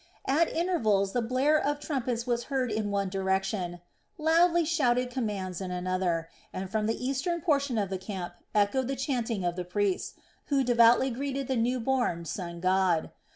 At intervals the blare of trumpets was heard in one direction, loudly shouted commands in another, and from the eastern portion of the camp echoed the chanting of the priests, who devoutly greeted the new born sun god.